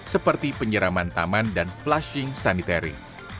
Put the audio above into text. seperti penyeraman taman dan flushing sanitary